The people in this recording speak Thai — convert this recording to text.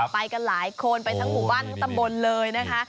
ไปกันหลายคนไปทั้งหมู่บ้านทั้งตำบลเลยนะคะ